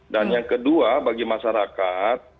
dan yang kedua bagi masyarakat